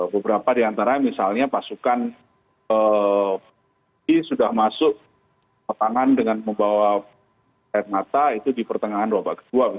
beberapa di antara misalnya pasukan sudah masuk ke tangan dengan membawa air mata itu di pertengahan babak kedua